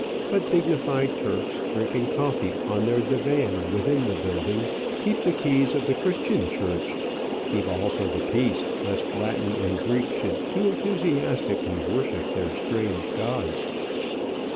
But dignified Turks, drinking coffee on their divan within the building, keep the keys of the Christian church keep also the peace, lest Latin and Greek should too enthusiastically worship their strange gods.